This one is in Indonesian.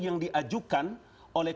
yang diajukan oleh dua